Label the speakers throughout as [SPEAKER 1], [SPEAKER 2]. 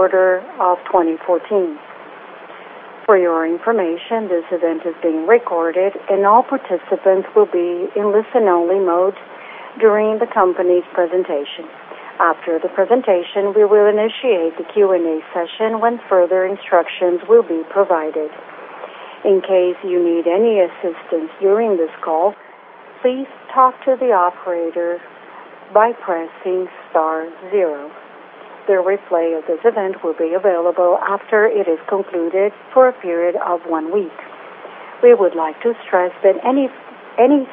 [SPEAKER 1] quarter of 2014. For your information, this event is being recorded, and all participants will be in listen-only mode during the company's presentation. After the presentation, we will initiate the Q&A session when further instructions will be provided. In case you need any assistance during this call, please talk to the operator by pressing star zero. The replay of this event will be available after it is concluded for a period of one week. We would like to stress that any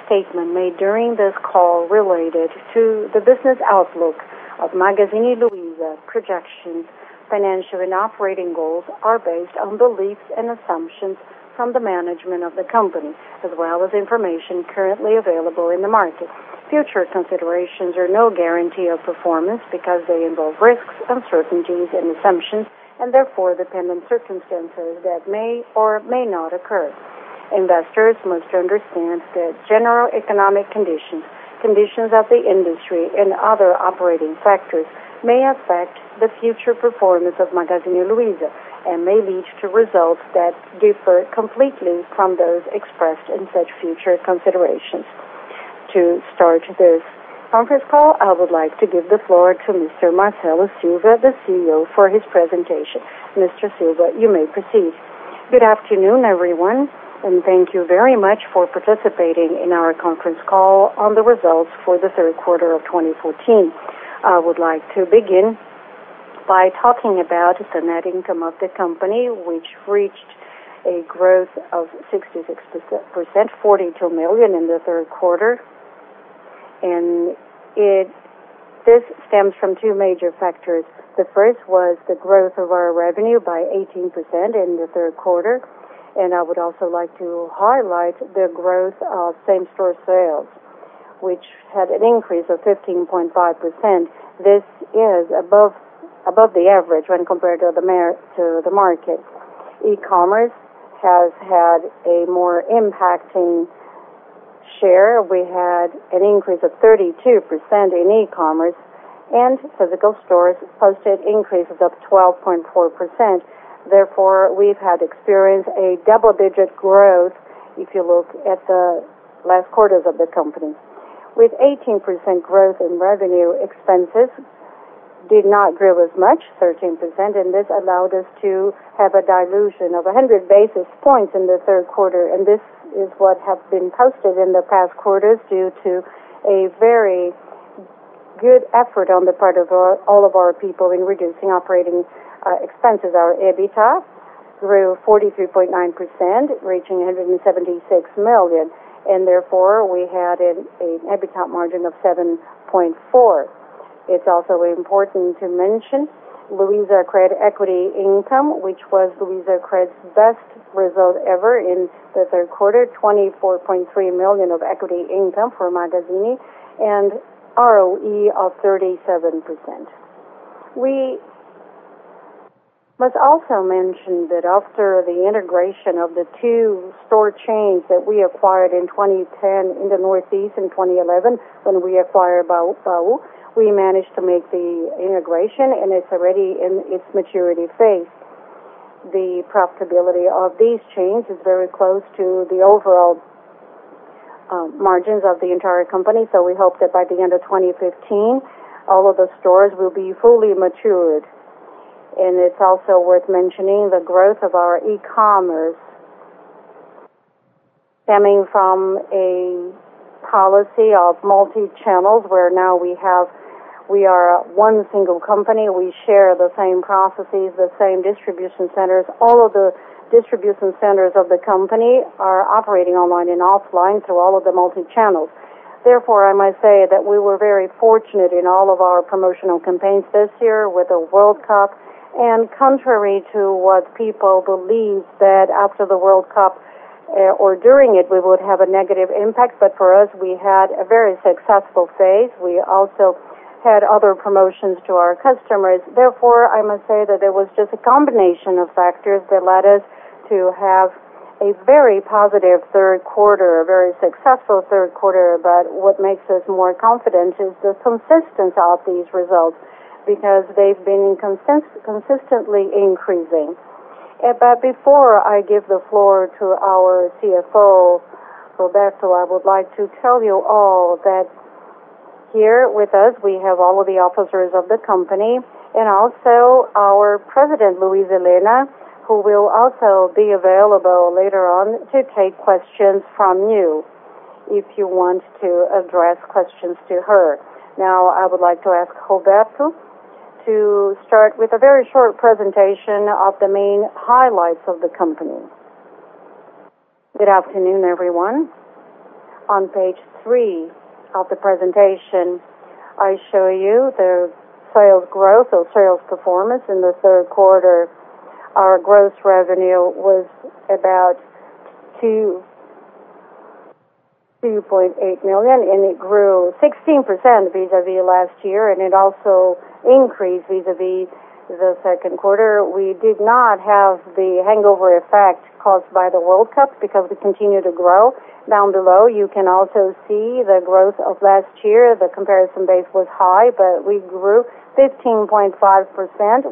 [SPEAKER 1] statement made during this call related to the business outlook of Magazine Luiza, projections, financial and operating goals are based on beliefs and assumptions from the management of the company, as well as information currently available in the market. Future considerations are no guarantee of performance because they involve risks, uncertainties, and assumptions, and therefore depend on circumstances that may or may not occur. Investors must understand that general economic conditions of the industry, and other operating factors may affect the future performance of Magazine Luiza and may lead to results that differ completely from those expressed in such future considerations. To start this conference call, I would like to give the floor to Mr. Marcelo Silva, the CEO, for his presentation. Mr. Silva, you may proceed.
[SPEAKER 2] Good afternoon, everyone, and thank you very much for participating in our conference call on the results for the third quarter of 2014. I would like to begin by talking about the net income of the company, which reached a growth of 66%, 42 million in the third quarter. This stems from two major factors. The first was the growth of our revenue by 18% in the third quarter. I would also like to highlight the growth of same-store sales, which had an increase of 15.5%. This is above the average when compared to the market. E-commerce has had a more impacting share. We had an increase of 32% in e-commerce, and physical stores posted increases of 12.4%. Therefore, we've had experienced a double-digit growth if you look at the last quarters of the company. With 18% growth in revenue, expenses did not grow as much, 13%, and this allowed us to have a dilution of 100 basis points in the third quarter, and this is what has been posted in the past quarters due to a very good effort on the part of all of our people in reducing operating expenses. Our EBITDA grew 43.9%, reaching 176 million, and therefore we had an EBITDA margin of 7.4%. It's also important to mention LuizaCred equity income, which was LuizaCred's best result ever in the third quarter, 24.3 million of equity income for Magazine, and ROE of 37%. We must also mention that after the integration of the two store chains that we acquired in 2010 in the Northeast, in 2011, when we acquired Baú, we managed to make the integration, and it's already in its maturity phase. The profitability of these chains is very close to the overall margins of the entire company. So we hope that by the end of 2015, all of the stores will be fully matured. It's also worth mentioning the growth of our e-commerce, stemming from a policy of multi-channels, where now we are one single company. We share the same processes, the same distribution centers. All of the distribution centers of the company are operating online and offline through all of the multi-channels. Therefore, I must say that we were very fortunate in all of our promotional campaigns this year with the World Cup. Contrary to what people believed, that after the World Cup, or during it, we would have a negative impact, for us, we had a very successful phase. We also had other promotions to our customers. Therefore, I must say that it was just a combination of factors that led us to have a very positive third quarter, a very successful third quarter. What makes us more confident is the consistency of these results, because they've been consistently increasing. Before I give the floor to our CFO, Roberto, I would like to tell you all that here with us, we have all of the officers of the company, and also our President, Luiza Helena, who will also be available later on to take questions from you if you want to address questions to her. Now, I would like to ask Roberto to start with a very short presentation of the main highlights of the company.
[SPEAKER 3] Good afternoon, everyone. On page three of the presentation, I show you the sales growth or sales performance in the third quarter. Our gross revenue was about 2.8 billion, it grew 16% vis-à-vis last year, it also increased vis-à-vis the second quarter. We did not have the hangover effect caused by the World Cup because we continue to grow. Down below, you can also see the growth of last year. The comparison base was high, we grew 15.5%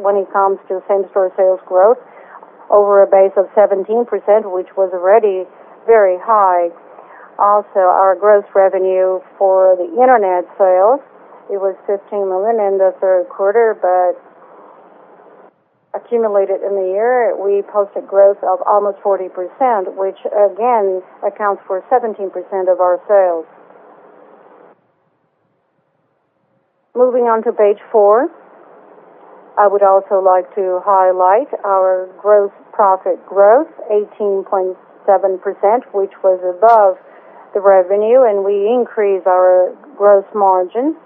[SPEAKER 3] when it comes to same-store sales growth. Over a base of 17%, which was already very high. Also, our gross revenue for the internet sales, it was 430 million in the third quarter, accumulated in the year, we posted growth of almost 40%, which again accounts for 17% of our sales. Moving on to page four, I would also like to highlight our gross profit growth, 18.7%, which was above the revenue, we increased our gross margin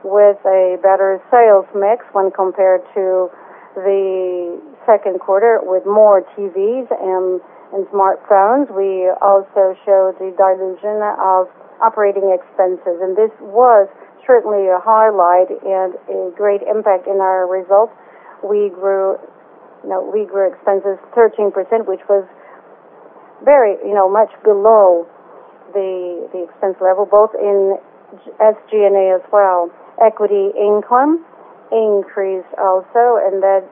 [SPEAKER 3] with a better sales mix when compared to the second quarter with more TVs and smartphones. We also show the dilution of operating expenses, this was certainly a highlight and a great impact in our results. We grew expenses 13%, which was much below the expense level, both in SGA as well. Equity income increased also, that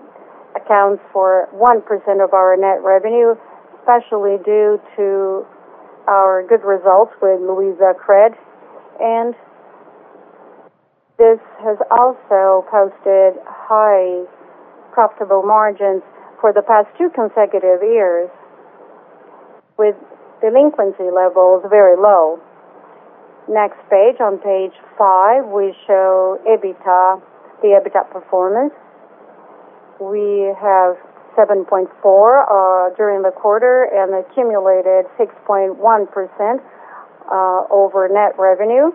[SPEAKER 3] accounts for 1% of our net revenue, especially due to our good results with LuizaCred. This has also posted high profitable margins for the past two consecutive years with delinquency levels very low. Next page, on page five, we show the EBITDA performance. We have 7.4% during the quarter and accumulated 6.1% over net revenue.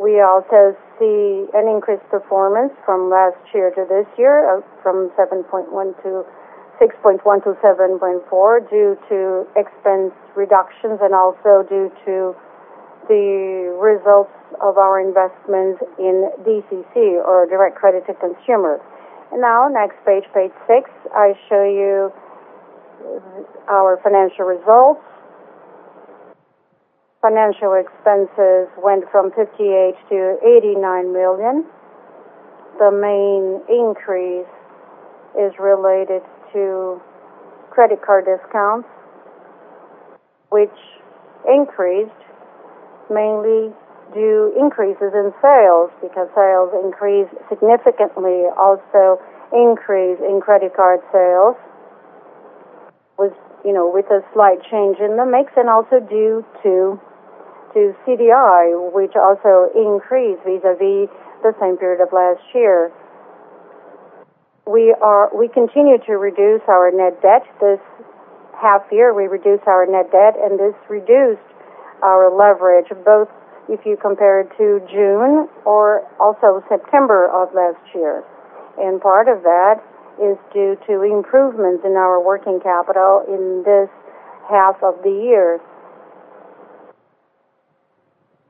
[SPEAKER 3] We also see an increased performance from last year to this year, from 6.1% to 7.4% due to expense reductions and also due to the results of our investment in DCC or direct credit to consumer. Now next page six, I show you our financial results. Financial expenses went from 58 million to 89 million. The main increase is related to credit card discounts, which increased mainly due increases in sales because sales increased significantly. Increase in credit card sales with a slight change in the mix due to CDI, which also increased vis-a-vis the same period of last year. We continue to reduce our net debt. This half-year, we reduced our net debt, and this reduced our leverage both if you compare it to June or September of last year. Part of that is due to improvements in our working capital in this half-year.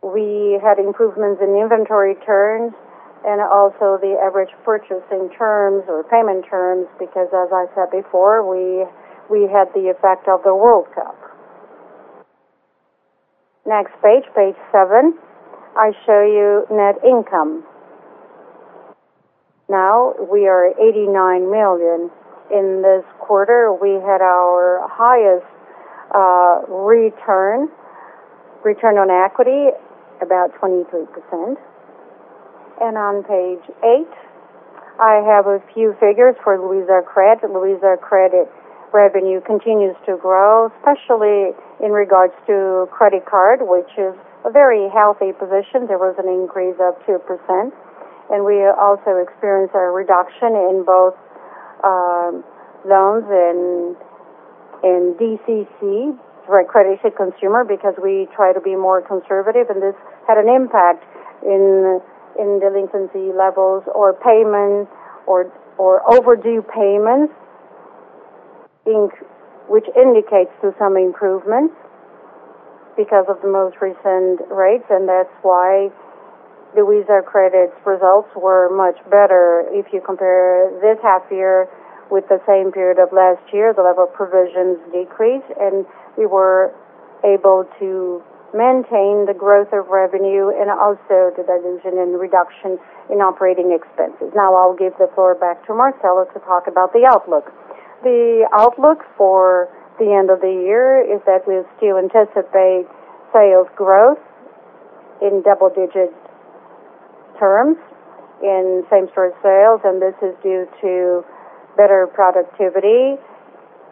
[SPEAKER 3] We had improvements in inventory turns and the average purchasing terms or payment terms because as I said before, we had the effect of the World Cup. Next page seven, I show you net income. Now we are 89 million. In this quarter, we had our highest return on equity, about 23%. On page eight, I have a few figures for LuizaCred. LuizaCred revenue continues to grow, especially in regards to credit card, which is a very healthy position. There was an increase of 2%. We also experienced a reduction in both loans and DCC, direct credit to consumer, because we try to be more conservative. This had an impact in delinquency levels or payments or overdue payments, which indicates to some improvements because of the most recent rates. That's why LuizaCred's results were much better if you compare this half-year with the same period of last year. The level of provisions decreased. We were able to maintain the growth of revenue and the dilution and reduction in operating expenses. I'll give the floor back to Marcelo to talk about the outlook.
[SPEAKER 2] The outlook for the end of the year is that we still anticipate sales growth in double-digit terms in same-store sales. This is due to better productivity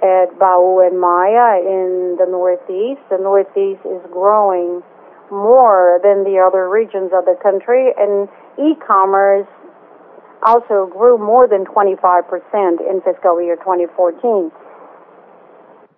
[SPEAKER 2] at Baú and Maia in the Northeast. The Northeast is growing more than the other regions of the country. E-commerce also grew more than 25% in FY 2014.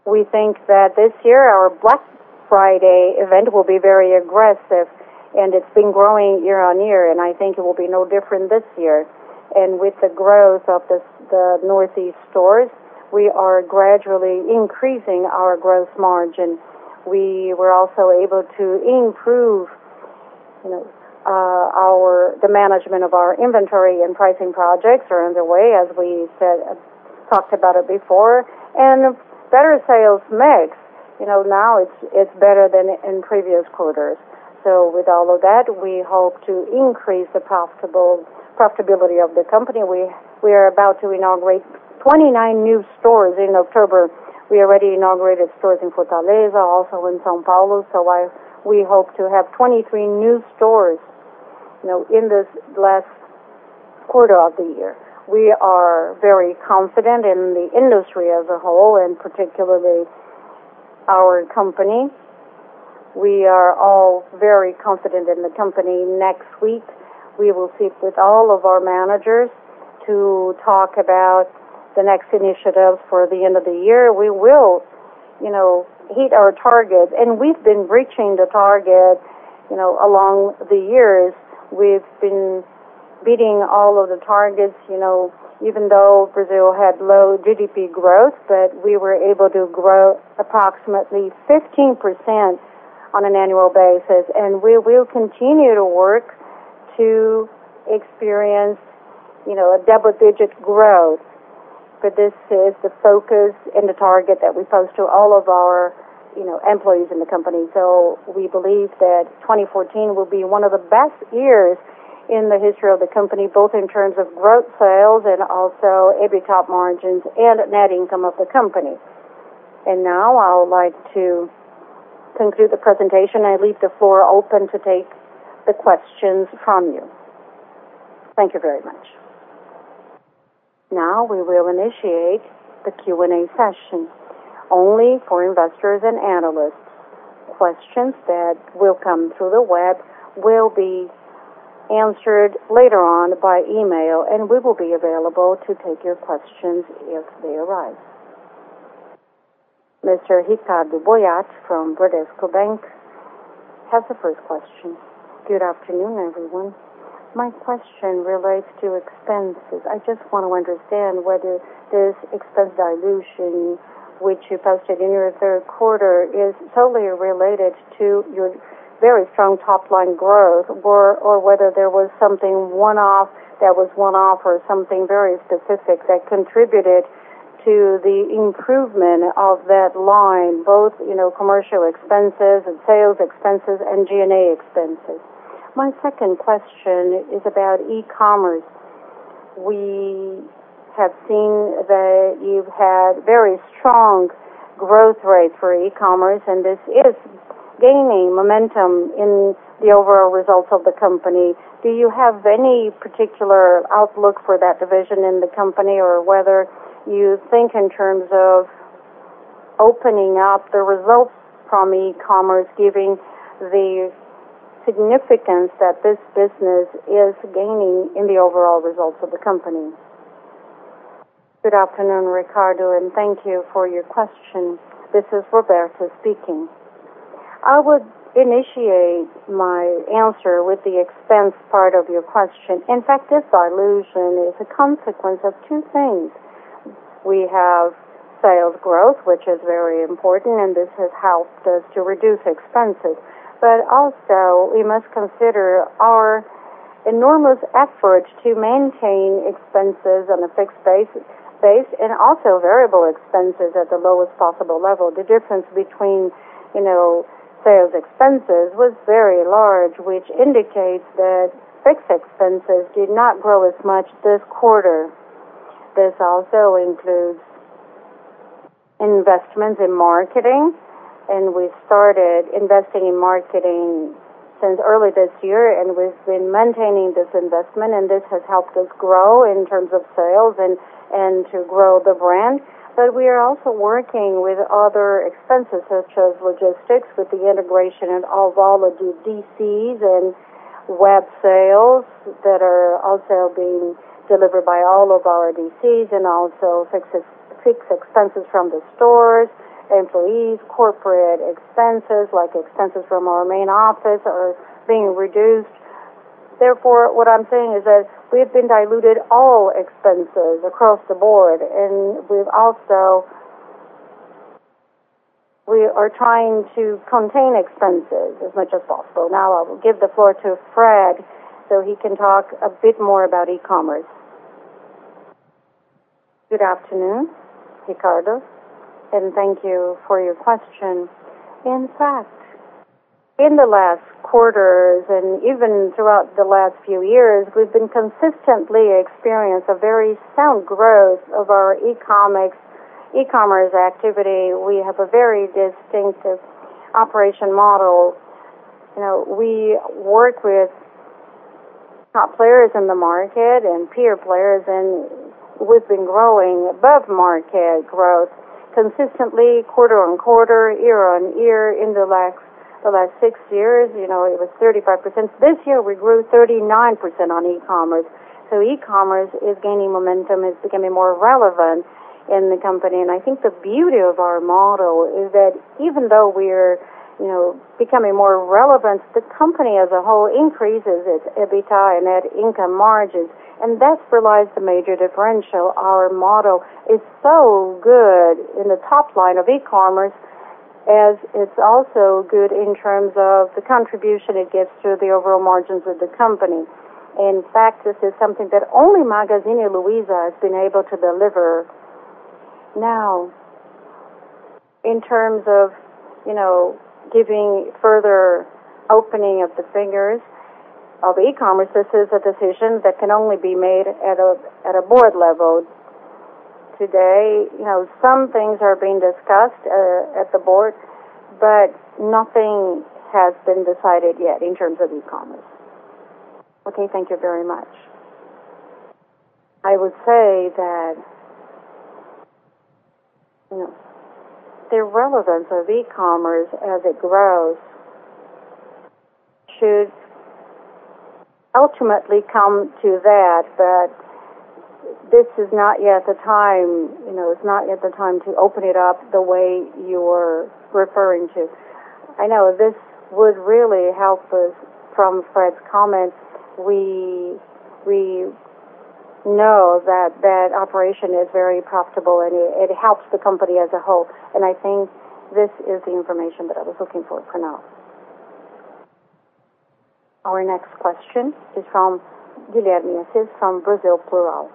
[SPEAKER 2] We think that this year our Black Friday event will be very aggressive. It's been growing year-over-year, and I think it will be no different this year. With the growth of the Northeast stores, we are gradually increasing our gross margin. We were able to improve the management of our inventory. Pricing projects are underway as we talked about it before, and better sales mix. Now, it's better than in previous quarters. With all of that, we hope to increase the profitability of the company. We are about to inaugurate 23 new stores in October. We already inaugurated stores in Fortaleza, in São Paulo. We hope to have 23 new stores in this last quarter of the year. We are very confident in the industry as a whole, particularly our company. We are all very confident in the company. Next week, we will sit with all of our managers to talk about the next initiatives for the end of the year. We will hit our target. We've been reaching the target along the years. We've been beating all of the targets, even though Brazil had low GDP growth. We were able to grow approximately 15% on an annual basis. We will continue to work to experience a double-digit growth. This is the focus and the target that we pose to all of our employees in the company. We believe that 2014 will be one of the best years in the history of the company, both in terms of growth sales and also EBITDA margins and net income of the company. Now I would like to conclude the presentation. I leave the floor open to take the questions from you. Thank you very much.
[SPEAKER 1] Now we will initiate the Q&A session only for investors and analysts. Questions that will come through the web will be answered later on by email, and we will be available to take your questions as they arrive. Mr. Ricardo Boyatt from Bradesco Bank has the first question.
[SPEAKER 4] Good afternoon, everyone. My question relates to expenses. I just want to understand whether this expense dilution, which you posted in your third quarter, is solely related to your very strong top-line growth, or whether there was something one-off or something very specific that contributed to the improvement of that line, both commercial expenses and sales expenses and G&A expenses. My second question is about e-commerce. We have seen that you've had very strong growth rate for e-commerce, and this is gaining momentum in the overall results of the company. Do you have any particular outlook for that division in the company, or whether you think in terms of opening up the results from e-commerce, giving the significance that this business is gaining in the overall results of the company? Good afternoon, Ricardo, and thank you for your question.
[SPEAKER 3] This is Roberto speaking. I would initiate my answer with the expense part of your question. In fact, this dilution is a consequence of two things. We have sales growth, which is very important, this has helped us to reduce expenses. Also we must consider our enormous efforts to maintain expenses on a fixed base, also variable expenses at the lowest possible level. The difference between sales expenses was very large, which indicates that fixed expenses did not grow as much this quarter. This also includes investments in marketing, we started investing in marketing since early this year, we've been maintaining this investment, this has helped us grow in terms of sales and to grow the brand. We are also working with other expenses such as logistics, with the integration in all of our DCs and web sales that are also being delivered by all of our DCs also fixed expenses from the stores, employees, corporate expenses, like expenses from our main office are being reduced. Therefore, what I'm saying is that we have been diluted all expenses across the board, we are trying to contain expenses as much as possible. Now I will give the floor to Fred so he can talk a bit more about e-commerce. Good afternoon, Ricardo, and thank you for your question. In fact, in the last quarters and even throughout the last few years, we've been consistently experienced a very sound growth of our e-commerce activity. We have a very distinctive operation model.
[SPEAKER 5] We work with top players in the market and peer players. We've been growing above market growth consistently quarter-on-quarter, year-on-year in the last six years. It was 35%. This year, we grew 39% on e-commerce. E-commerce is gaining momentum. It's becoming more relevant in the company. I think the beauty of our model is that even though we're becoming more relevant, the company as a whole increases its EBITDA and net income margins, and that's where lies the major differential. Our model is so good in the top line of e-commerce as it's also good in terms of the contribution it gives to the overall margins of the company. In fact, this is something that only Magazine Luiza has been able to deliver. Now, in terms of giving further opening of the fingers of e-commerce, this is a decision that can only be made at a board level. Today, some things are being discussed at the board. Nothing has been decided yet in terms of e-commerce.
[SPEAKER 4] Okay. Thank you very much.
[SPEAKER 3] I would say that the relevance of e-commerce as it grows should ultimately come to that. This is not yet the time. It's not yet the time to open it up the way you're referring to. I know this would really help us. From Fred's comments, we know that that operation is very profitable. It helps the company as a whole. I think this is the information that I was looking for for now.
[SPEAKER 1] Our next question is from Guilherme Assis from Brasil Plural.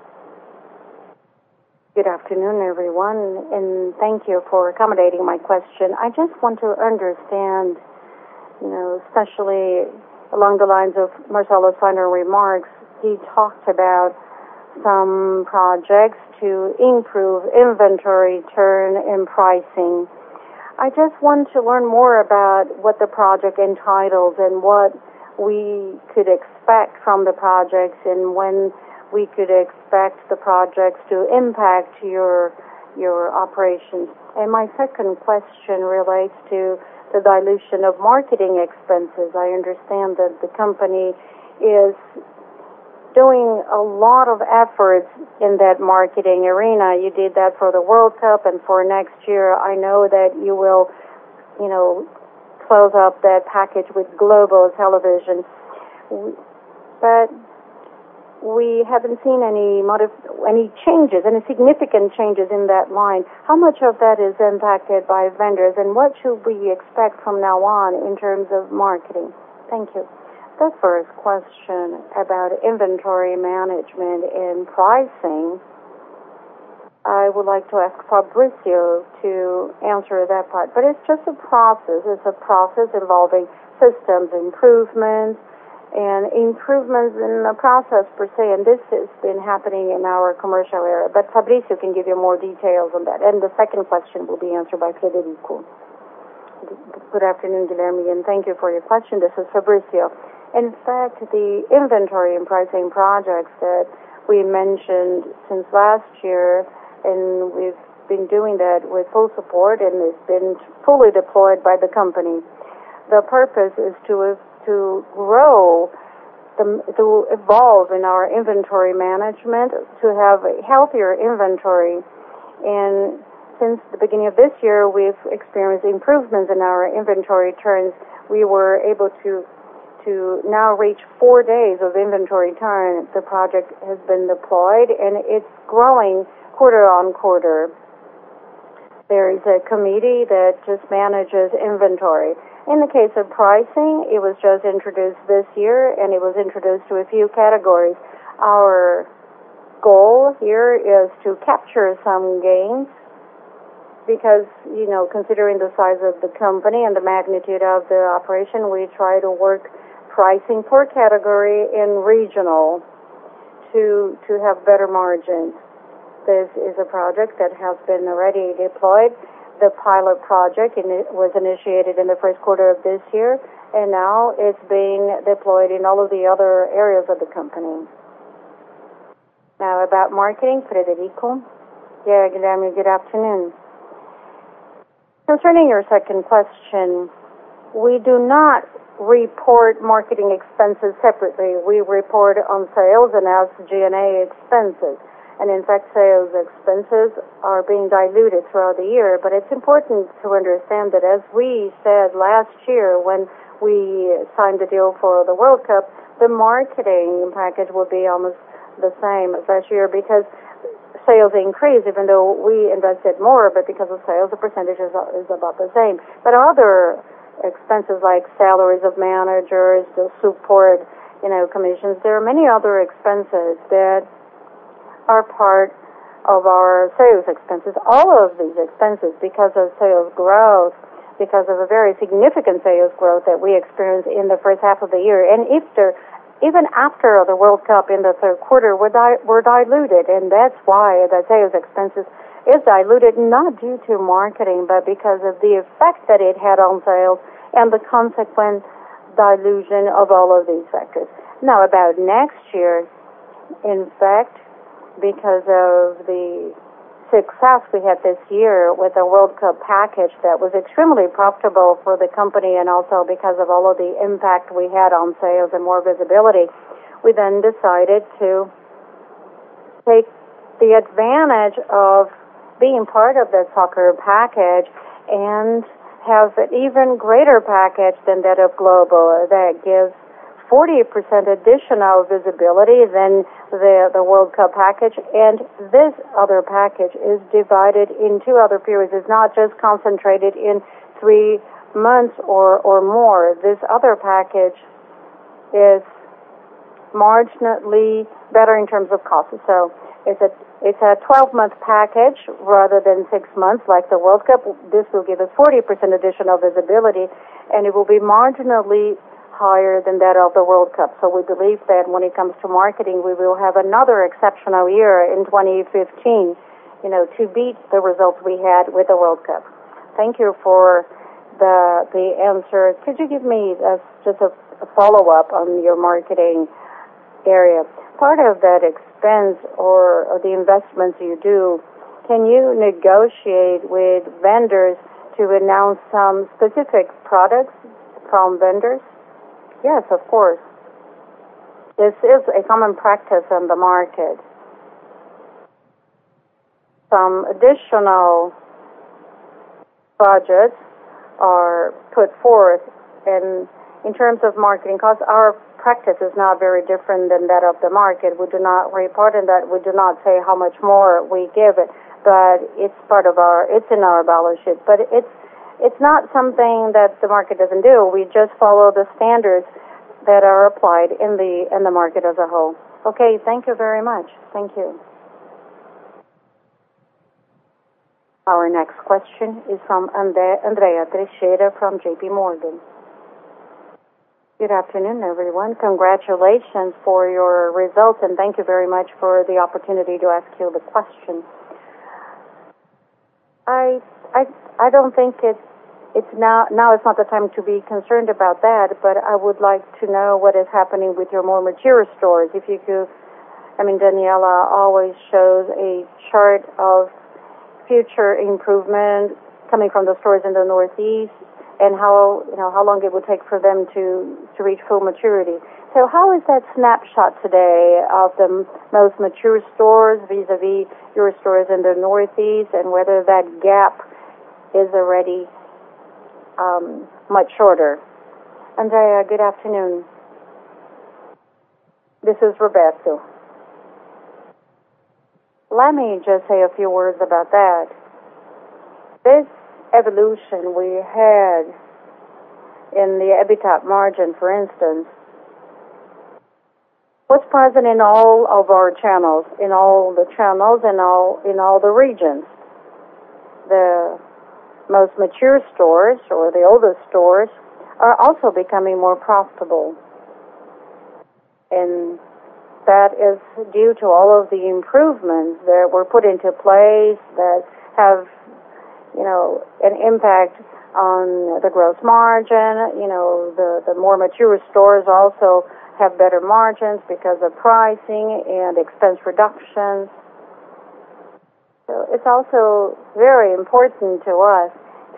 [SPEAKER 1] Good afternoon, everyone. Thank you for accommodating my question.
[SPEAKER 6] I just want to understand, especially along the lines of Marcelo's final remarks. He talked about some projects to improve inventory turn and pricing. I just want to learn more about what the project entitles and what we could expect from the projects, when we could expect the projects to impact your operations. My second question relates to the dilution of marketing expenses. I understand that the company is doing a lot of effort in that marketing arena. You did that for the World Cup. For next year, I know that you will close up that package with TV Globo. We haven't seen any changes, any significant changes in that line. How much of that is impacted by vendors, and what should we expect from now on in terms of marketing? Thank you.
[SPEAKER 2] The first question about inventory management and pricing, I would like to ask Fabrício to answer that part. It's just a process. It's a process involving systems improvements in the process, per se. This has been happening in our commercial area. Fabrício can give you more details on that. The second question will be answered by Frederico. Good afternoon, Guilherme. Thank you for your question. This is Fabrício. In fact, the inventory and pricing projects that we mentioned since last year. We've been doing that with full support. It's been fully deployed by the company. The purpose is to evolve in our inventory management, to have a healthier inventory. Since the beginning of this year, we've experienced improvements in our inventory turns. We were able to now reach four-day reduction in inventory turnover.
[SPEAKER 7] The project has been deployed, and it's growing quarter on quarter. There is a committee that just manages inventory. In the case of pricing, it was just introduced this year, and it was introduced to a few categories. Our goal here is to capture some gains because considering the size of the company and the magnitude of the operation, we try to work pricing per category and regional to have better margins. This is a project that has been already deployed. The pilot project was initiated in the first quarter of this year, and now it's being deployed in all of the other areas of the company. About marketing, Frederico. Guilherme, good afternoon. Concerning your second question, we do not report marketing expenses separately. We report on sales and as G&A expenses. In fact, sales expenses are being diluted throughout the year.
[SPEAKER 5] It's important to understand that as we said last year when we signed the deal for the World Cup, the marketing package will be almost the same as last year, because sales increased even though we invested more. Because of sales, the percentage is about the same. Other expenses, like salaries of managers, the support, commissions, there are many other expenses that are part of our sales expenses. All of these expenses, because of sales growth, because of a very significant sales growth that we experienced in the first half of the year, and Easter, even after the World Cup in the third quarter, were diluted. That's why the sales expenses is diluted, not due to marketing, but because of the effect that it had on sales and the consequent dilution of all of these factors. About next year, in fact, because of the success we had this year with the World Cup package that was extremely profitable for the company and also because of all of the impact we had on sales and more visibility, we then decided to take the advantage of being part of the soccer package and have an even greater package than that of Globo that gives 40% additional visibility than the World Cup package. This other package is divided in two other periods. It's not just concentrated in three months or more. This other package is marginally better in terms of cost. It's a 12-month package rather than six months like the World Cup. This will give us 40% additional visibility, and it will be marginally higher than that of the World Cup.
[SPEAKER 6] We believe that when it comes to marketing, we will have another exceptional year in 2015 to beat the results we had with the World Cup. Thank you for the answer. Could you give me just a follow-up on your marketing area? Part of that expense or the investments you do, can you negotiate with vendors to announce some specific products from vendors?
[SPEAKER 5] Yes, of course. This is a common practice in the market. Some additional projects are put forth in terms of marketing cost. Our practice is not very different than that of the market. We do not report on that. We do not say how much more we give it, but it's in our balance sheet. It's not something that the market doesn't do. We just follow the standards that are applied in the market as a whole.
[SPEAKER 6] Okay. Thank you very much.
[SPEAKER 5] Thank you.
[SPEAKER 1] Our next question is from Andrea Tizzano from J.P. Morgan.
[SPEAKER 8] Good afternoon, everyone. Congratulations for your results, and thank you very much for the opportunity to ask you the question. I don't think now is not the time to be concerned about that, but I would like to know what is happening with your more mature stores. If you could. Daniela always shows a chart of future improvement coming from the stores in the Northeast and how long it will take for them to reach full maturity. How is that snapshot today of the most mature stores vis-a-vis your stores in the Northeast, and whether that gap is already much shorter?
[SPEAKER 3] Andrea, good afternoon. This is Roberto. Let me just say a few words about that. This evolution we had in the EBITDA margin, for instance, was present in all of our channels, in all the channels, and in all the regions. The most mature stores or the oldest stores are also becoming more profitable, and that is due to all of the improvements that were put into place that have an impact on the gross margin. The more mature stores also have better margins because of pricing and expense reductions. It's also very important to us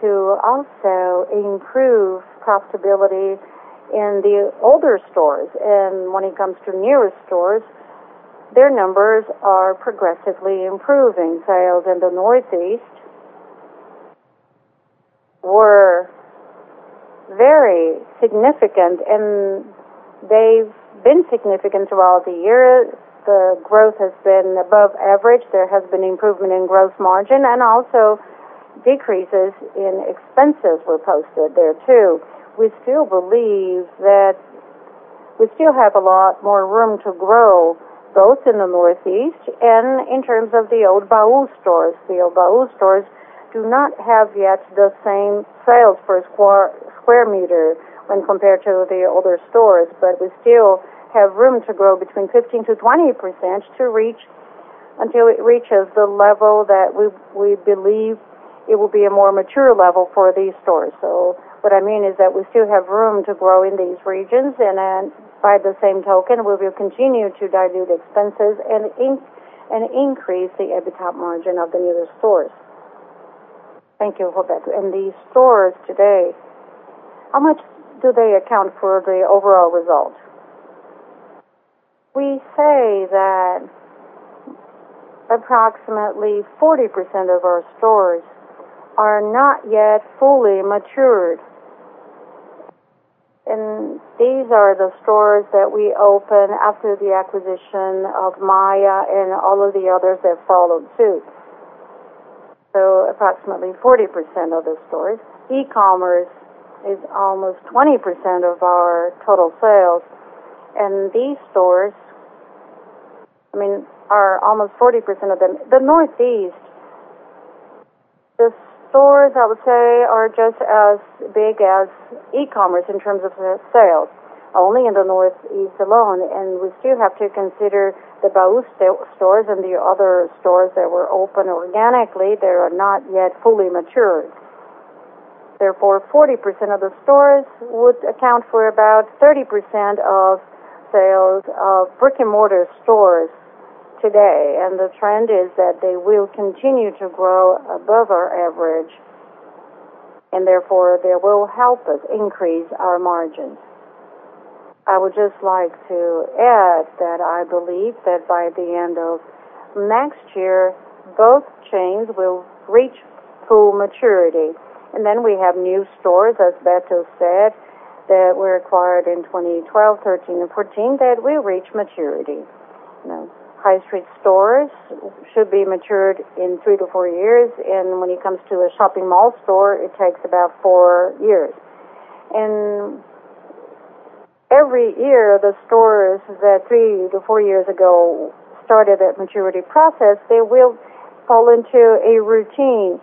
[SPEAKER 3] to also improve profitability in the older stores. When it comes to newer stores, their numbers are progressively improving. Sales in the Northeast were very significant, and they've been significant throughout the year. The growth has been above average. There has been improvement in gross margin, and also decreases in expenses were posted there, too. We still believe that we still have a lot more room to grow, both in the Northeast and in terms of the old Baú stores. The old Baú stores do not have yet the same sales per square meter when compared to the older stores. We still have room to grow between 15%-20% until it reaches the level that we believe it will be a more mature level for these stores. What I mean is that we still have room to grow in these regions, and then by the same token, we will continue to dilute expenses and increase the EBITDA margin of the newer stores. Thank you, Roberto. These stores today, how much do they account for the overall result? We say that approximately 40% of our stores are not yet fully matured, and these are the stores that we opened after the acquisition of Lojas Maia and all of the others that followed suit. Approximately 40% of the stores. E-commerce is almost 20% of our total sales, and these stores are almost 40% of them. The Northeast, the stores, I would say, are just as big as e-commerce in terms of their sales, only in the Northeast alone. We still have to consider the Baú stores and the other stores that were opened organically that are not yet fully matured. Therefore, 40% of the stores would account for about 30% of sales of brick-and-mortar stores today, and the trend is that they will continue to grow above our average, and therefore they will help us increase our margins.
[SPEAKER 2] I would just like to add that I believe that by the end of next year, both chains will reach full maturity. Then we have new stores, as Beto said, that were acquired in 2012, 2013, and 2014 that will reach maturity. High street stores should be matured in three to four years, and when it comes to a shopping mall store, it takes about four years. Every year, the stores that three to four years ago started that maturity process, they will fall into a routine.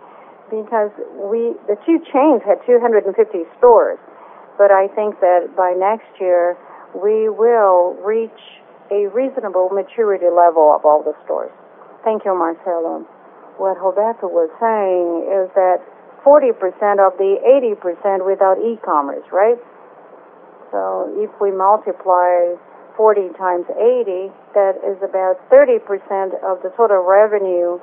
[SPEAKER 2] Because the two chains had 250 stores, but I think that by next year we will reach a reasonable maturity level of all the stores.
[SPEAKER 8] Thank you, Marcelo. What Roberto was saying is that 40% of the 80% without e-commerce, right? If we multiply 40 times 80, that is about 30% of the total revenue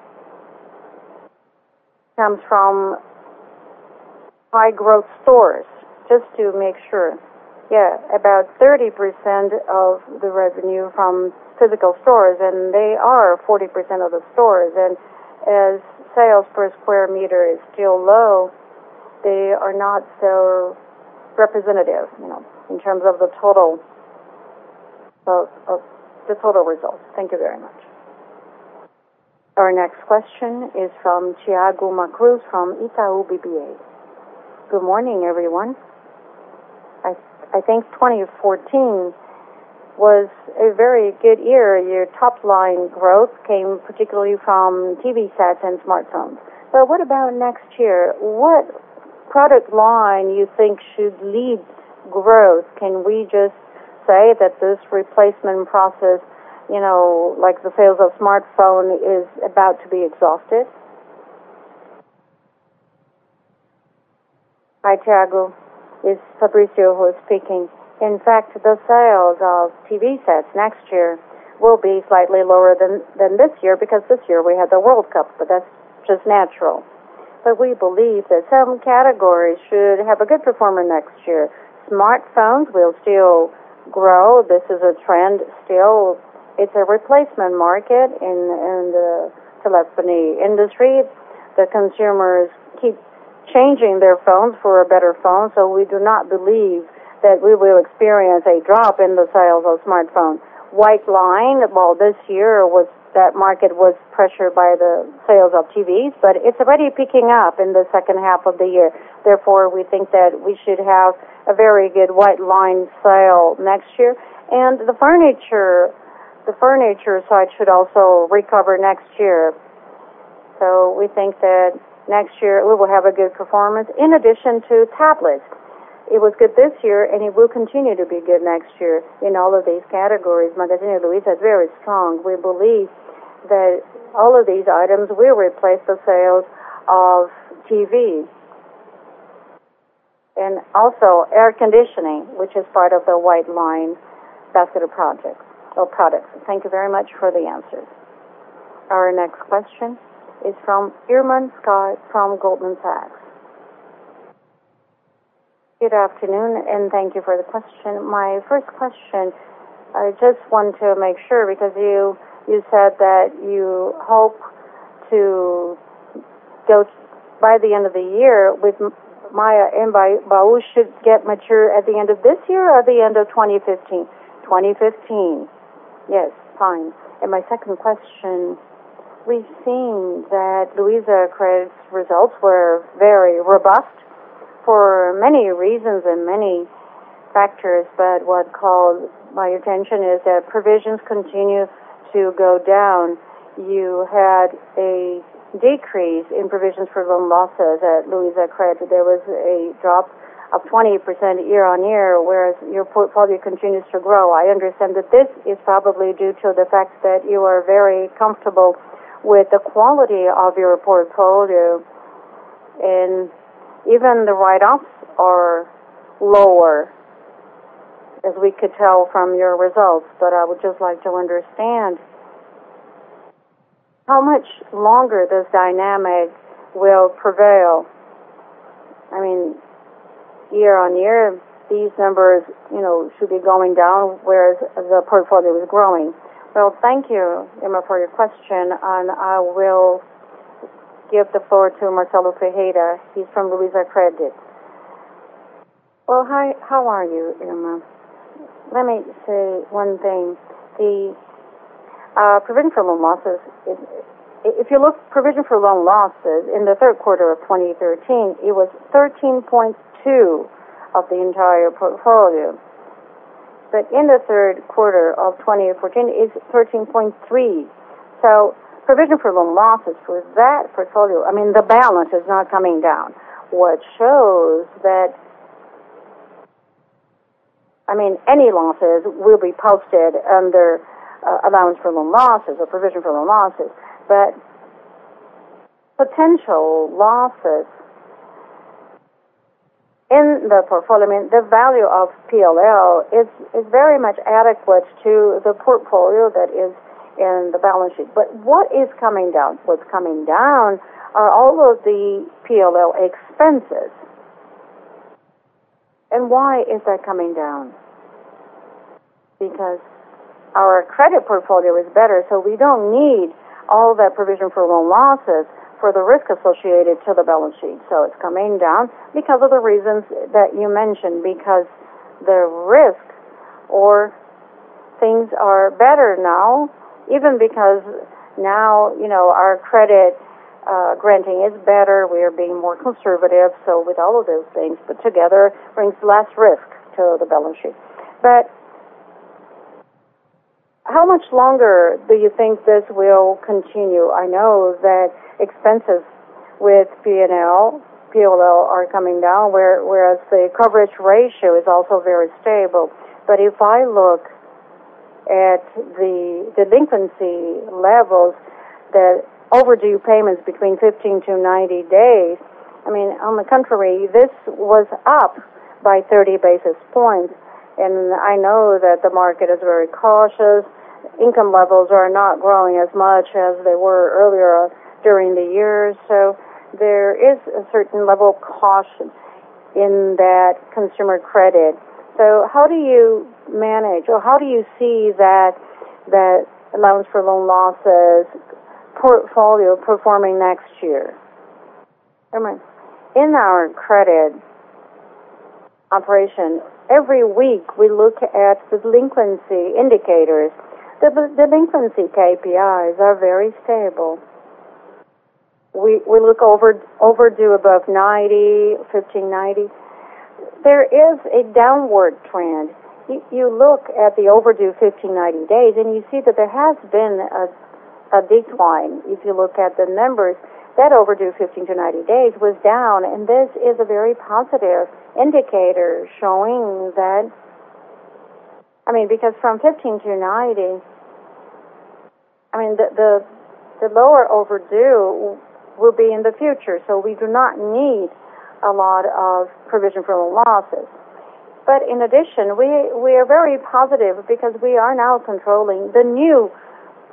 [SPEAKER 8] comes from high growth stores. Just to make sure. Yeah. About 30% of the revenue from physical stores, and they are 40% of the stores. As sales per square meter is still low, they are not so representative, in terms of the total results. Thank you very much.
[SPEAKER 1] Our next question is from Thiago Macruz from Itaú BBA. Good morning, everyone. I think 2014 was a very good year. Your top-line growth came particularly from TV sets and smartphones. What about next year? What product line you think should lead growth? Can we just say that this replacement process, like the sales of smartphone, is about to be exhausted? Hi, Thiago. It's Fabrício who is speaking. In fact, the sales of TV sets next year will be slightly lower than this year, because this year we had the World Cup, but that's just natural.
[SPEAKER 7] We believe that some categories should have a good performer next year. Smartphones will still grow. This is a trend still. It's a replacement market in the telephony industry. The consumers keep changing their phones for a better phone. We do not believe that we will experience a drop in the sales of smartphones. White line, well, this year that market was pressured by the sales of TVs, but it's already picking up in the second half of the year. Therefore, we think that we should have a very good white line sale next year. The furniture side should also recover next year. We think that next year we will have a good performance. In addition to tablets. It was good this year, and it will continue to be good next year in all of these categories. Magazine Luiza is very strong. We believe that all of these items will replace the sales of TVs. Also air conditioning, which is part of the white line basket of products. Thank you very much for the answers.
[SPEAKER 1] Our next question is from Irma Sgarz from Goldman Sachs.
[SPEAKER 9] Good afternoon, and thank you for the question. My first question, I just want to make sure, because you said that you hope to go by the end of the year with Maia and Baú should get mature at the end of this year or the end of 2015? 2015. Yes. Fine. My second question, we've seen that LuizaCred's results were very robust for many reasons and many factors, but what called my attention is that provisions continue to go down. You had a decrease in Provision for Loan Losses at LuizaCred. There was a drop of 20% year-on-year, whereas your portfolio continues to grow. I understand that this is probably due to the fact that you are very comfortable with the quality of your portfolio, and even the write-offs are lower, as we could tell from your results. I would just like to understand how much longer this dynamic will prevail. I mean, year-on-year, these numbers should be going down, whereas the portfolio is growing.
[SPEAKER 2] Well, thank you, Irma, for your question, and I will give the floor to Marcelo Ferreira. He's from LuizaCred.
[SPEAKER 10] Well, hi. How are you, Irma? Let me say one thing. The provision for loan losses, if you look provision for loan losses in the third quarter of 2013, it was 13.2% of the entire portfolio. In the third quarter of 2014, it's 13.3%. Provision for loan losses for that portfolio, I mean, the balance is not coming down. What shows that any losses will be posted under allowance for loan losses or provision for loan losses. Potential losses in the portfolio, the value of PLL, is very much adequate to the portfolio that is in the balance sheet. What is coming down? What's coming down are all of the PLL expenses. Why is that coming down? Because our credit portfolio is better, so we don't need all that provision for loan losses for the risk associated to the balance sheet. It's coming down because of the reasons that you mentioned, because the risk or things are better now, even because now our credit granting is better. We are being more conservative. With all of those things put together, brings less risk to the balance sheet.
[SPEAKER 9] How much longer do you think this will continue? I know that expenses with PLL are coming down, whereas the coverage ratio is also very stable. If I look at the delinquency levels, the overdue payments between 15-90 days, on the contrary, this was up by 30 basis points. I know that the market is very cautious. Income levels are not growing as much as they were earlier during the year. There is a certain level of caution in that consumer credit. How do you manage, or how do you see that allowance for loan losses portfolio performing next year? In our credit operation, every week we look at delinquency indicators. The delinquency KPIs are very stable. We look overdue above 90, 15-90. There is a downward trend.
[SPEAKER 10] You look at the overdue 15-90 days, you see that there has been a decline. If you look at the numbers, that overdue 15-90 days was down, this is a very positive indicator. Because from 15-90, the lower overdue will be in the future. We do not need a lot of provision for loan losses. In addition, we are very positive because we are now controlling the new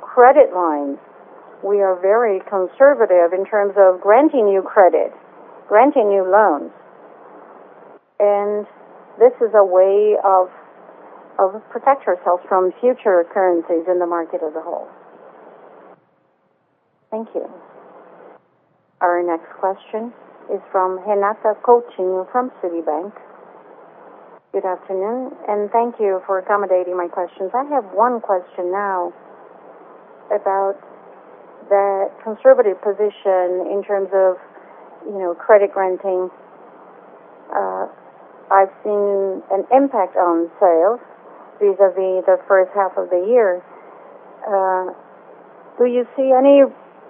[SPEAKER 10] credit lines. We are very conservative in terms of granting new credit, granting new loans. This is a way of protect ourselves from future occurrences in the market as a whole.
[SPEAKER 9] Thank you.
[SPEAKER 1] Our next question is from Renata Cordeiro from Citibank.
[SPEAKER 11] Good afternoon, thank you for accommodating my questions. I have one question now about the conservative position in terms of credit granting. I've seen an impact on sales vis-a-vis the first half of the year. Do you see any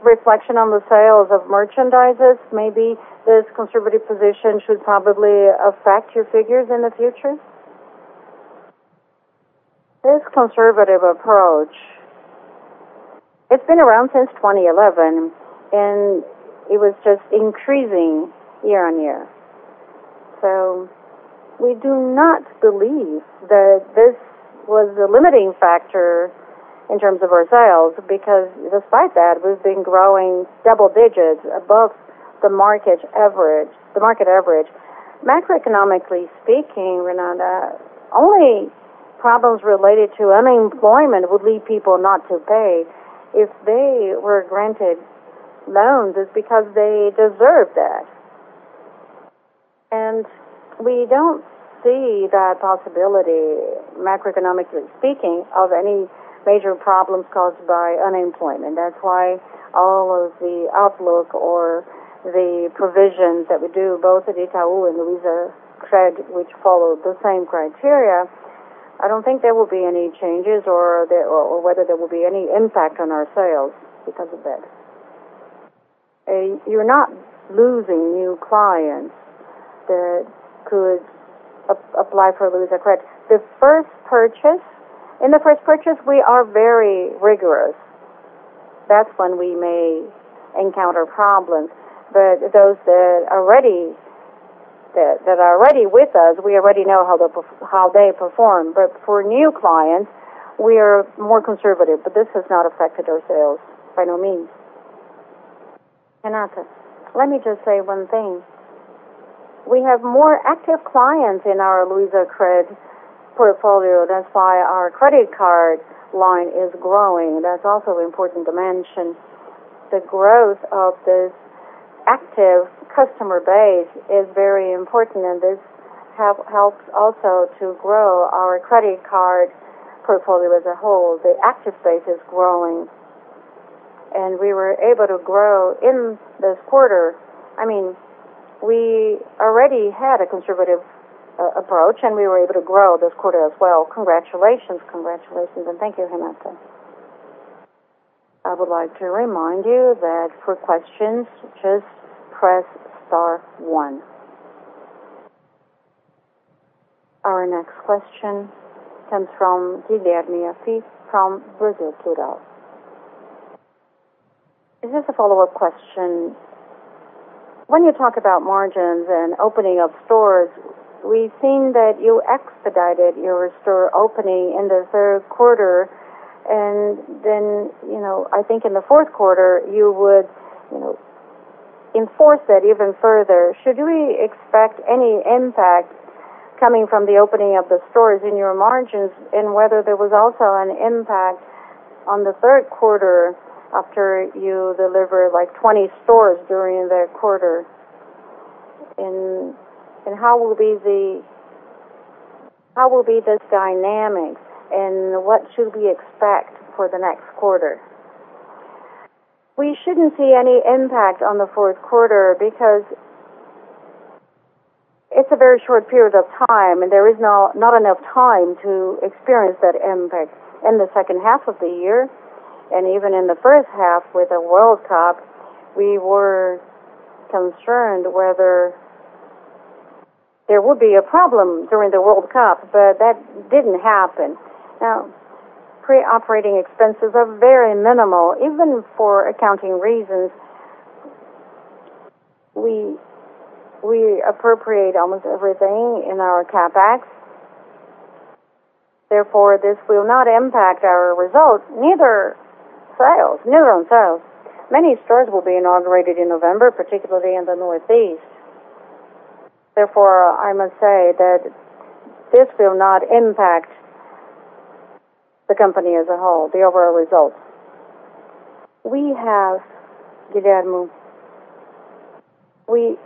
[SPEAKER 11] reflection on the sales of merchandises? Maybe this conservative position should probably affect your figures in the future?
[SPEAKER 10] This conservative approach, it's been around since 2011, and it was just increasing year on year. We do not believe that this was a limiting factor in terms of our sales, because despite that, we've been growing double digits above the market average. Macroeconomically speaking, Renata, only problems related to unemployment would lead people not to pay. If they were granted loans, it's because they deserve that. We don't see that possibility macroeconomically speaking of any major problems caused by unemployment. That's why all of the outlook or the provisions that we do, both at Itaú and LuizaCred, which follow the same criteria, I don't think there will be any changes or whether there will be any impact on our sales because of that. You're not losing new clients that could apply for LuizaCred. In the first purchase, we are very rigorous. That's when we may encounter problems. Those that are already with us, we already know how they perform. For new clients, we are more conservative, but this has not affected our sales, by no means. Renata. Let me just say one thing. We have more active clients in our LuizaCred portfolio. That's why our credit card line is growing. That's also important to mention. The growth of this active customer base is very important, and this helps also to grow our credit card portfolio as a whole. The active base is growing, and we were able to grow in this quarter. We already had a conservative approach, and we were able to grow this quarter as well.
[SPEAKER 11] Congratulations.
[SPEAKER 10] Thank you, Renata.
[SPEAKER 1] I would like to remind you that for questions, just press star one. Our next question comes from Guilherme Assis from Brasil Plural.
[SPEAKER 6] This is a follow-up question. When you talk about margins and opening up stores, we've seen that you expedited your store opening in the third quarter, and then I think in the fourth quarter, you would enforce that even further. Should we expect any impact coming from the opening of the stores in your margins and whether there was also an impact on the third quarter after you delivered 20 stores during the quarter? How will be this dynamic, and what should we expect for the next quarter?
[SPEAKER 3] We shouldn't see any impact on the fourth quarter because it's a very short period of time, and there is not enough time to experience that impact. In the second half of the year, and even in the first half with the World Cup, we were concerned whether there would be a problem during the World Cup, but that didn't happen. Now, pre-operating expenses are very minimal. Even for accounting reasons, we appropriate almost everything in our CapEx. Therefore, this will not impact our results, neither on sales. Many stores will be inaugurated in November, particularly in the Northeast. Therefore, I must say that this will not impact the company as a whole, the overall results. We have, Guilherme-- We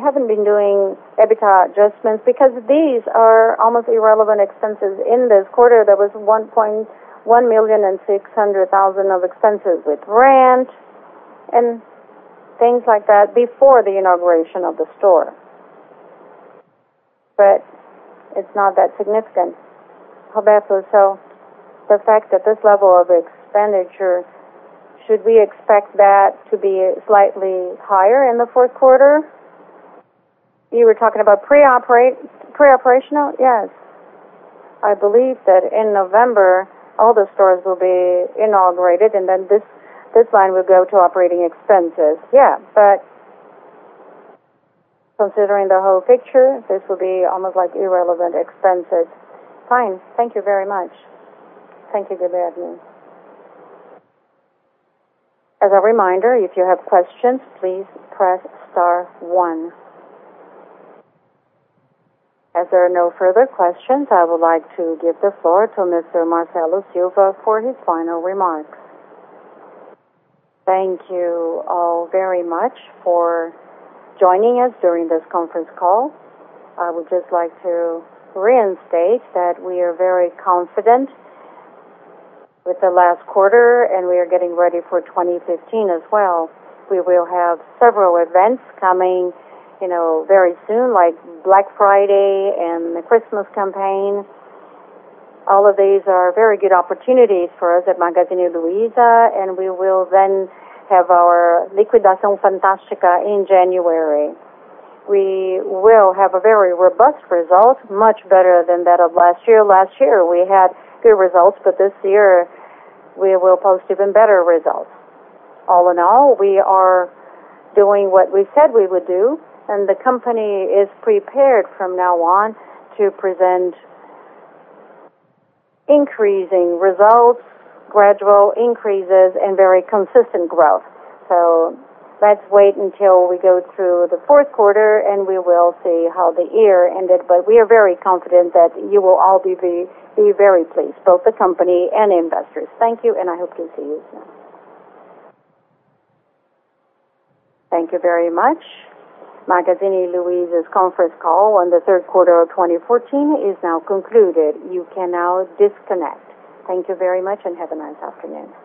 [SPEAKER 3] haven't been doing EBITDA adjustments because these are almost irrelevant expenses.
[SPEAKER 6] In this quarter, there was 1,600,000 of expenses with rent and things like that before the inauguration of the store. It's not that significant. Roberto, the fact that this level of expenditure, should we expect that to be slightly higher in the fourth quarter? You were talking about pre-operational?
[SPEAKER 3] Yes. I believe that in November, all the stores will be inaugurated, and this line will go to operating expenses. Considering the whole picture, this will be almost like irrelevant expenses.
[SPEAKER 6] Fine. Thank you very much.
[SPEAKER 3] Thank you, Guilherme.
[SPEAKER 1] As a reminder, if you have questions, please press star one. As there are no further questions, I would like to give the floor to Mr. Marcelo Silva for his final remarks. Thank you all very much for joining us during this conference call.
[SPEAKER 2] I would just like to reinstate that we are very confident with the last quarter. We are getting ready for 2015 as well. We will have several events coming very soon, like Black Friday and the Christmas campaign. All of these are very good opportunities for us at Magazine Luiza, and we will have our Liquidação Fantástica in January. We will have a very robust result, much better than that of last year. Last year we had good results. This year we will post even better results. All in all, we are doing what we said we would do. The company is prepared from now on to present increasing results, gradual increases, and very consistent growth. Let's wait until we go through the fourth quarter, and we will see how the year ended. We are very confident that you will all be very pleased, both the company and the investors. Thank you. I hope to see you soon.
[SPEAKER 1] Thank you very much. Magazine Luiza's conference call on the third quarter of 2014 is now concluded. You can now disconnect. Thank you very much. Have a nice afternoon.